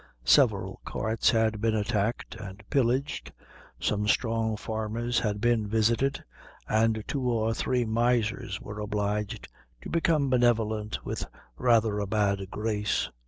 Several carts had been attacked and pillaged, some strong farmers had been visited, and two or three misers were obliged to become benevolent with rather a bad grace.